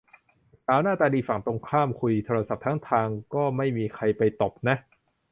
สาวหน้าตาดีฝั่งตรงข้ามคุยโทรศัพท์ทั้งทางก็ไม่มีใครไปตบนะ